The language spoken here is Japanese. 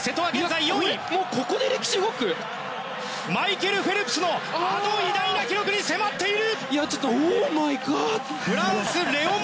マイケル・フェルプスのあの偉大な記録に迫っている。